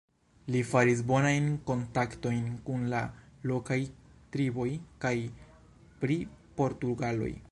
Li faris bonajn kontaktojn kun la lokaj triboj kaj pri portugaloj.